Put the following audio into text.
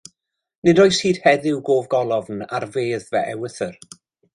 Nid oes hyd heddiw gof golofn ar fedd fy ewythr.